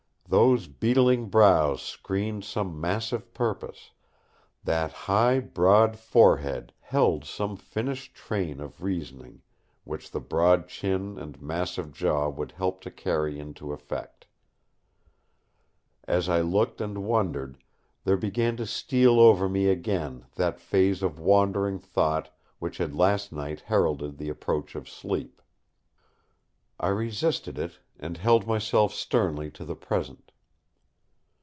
Those beetling brows screened some massive purpose; that high, broad forehead held some finished train of reasoning, which the broad chin and massive jaw would help to carry into effect. As I looked and wondered, there began to steal over me again that phase of wandering thought which had last night heralded the approach of sleep. I resisted it, and held myself sternly to the present.